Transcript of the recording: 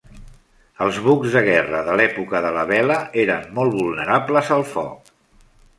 Els bucs de guerra de l'època de la vela eren molt vulnerables al foc.